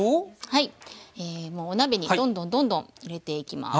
はいもうお鍋にどんどんどんどん入れていきます。